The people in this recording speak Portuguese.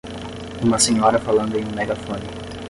Uma senhora falando em um megafone.